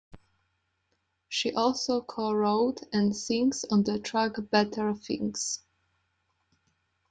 She also co-wrote and sings on the track "Better Things".